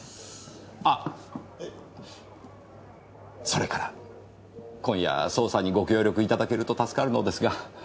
それから今夜捜査にご協力いただけると助かるのですが。